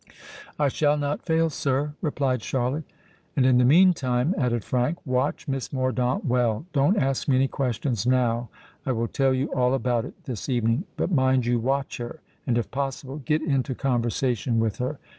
"I shall not fail, sir," replied Charlotte. "And in the meantime," added Frank, "watch Miss Mordaunt well. Don't ask me any questions now—I will tell you all about it this evening. But mind you watch her; and if possible, get into conversation with her.